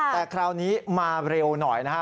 แต่คราวนี้มาเร็วหน่อยนะฮะ